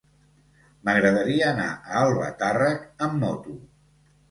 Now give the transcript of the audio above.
M'agradaria anar a Albatàrrec amb moto.